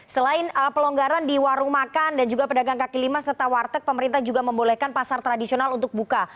selain pelonggaran di warung makan dan juga pedagang kaki lima serta warteg pemerintah juga membolehkan pasar tradisional untuk buka